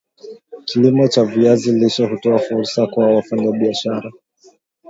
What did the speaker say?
Kilimo cha viazi lishe hutoa fursa kwa wafanyabiashara